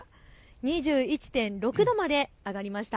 ２１．６度まで上がりました。